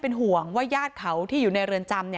พร้อมด้วยผลตำรวจเอกนรัฐสวิตนันอธิบดีกรมราชทัน